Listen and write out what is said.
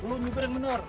lo nyipir yang bener